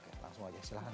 oke langsung aja silahkan